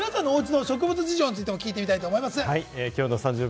皆さんのお家の植物事情についても聞いてみたいと思います。